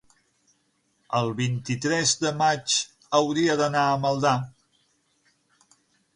el vint-i-tres de maig hauria d'anar a Maldà.